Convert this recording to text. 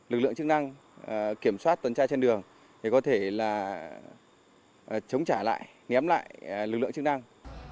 lực lượng chức năng kiểm soát tuần tra trên đường thì có thể là chống trả lại nhém lại lực lượng chức năng